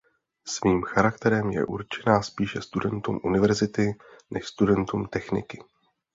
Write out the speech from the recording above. Svým charakterem je určena spíše studentům univerzity než studentům techniky.